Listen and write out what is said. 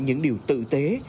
và những điều tự tế